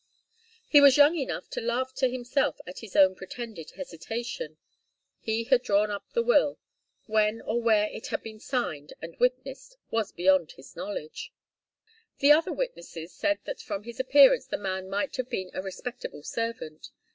He was young enough to laugh to himself at his own pretended hesitation. He had drawn up the will. When or where it had been signed and witnessed was beyond his knowledge. The other witnesses said that from his appearance the man might have been a respectable servant.